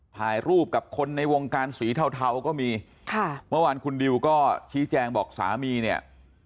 ถ่ายรูปกับคนในวงการสีเทาเทาก็มีค่ะเมื่อวานคุณดิวก็ชี้แจงบอกสามีเนี่ย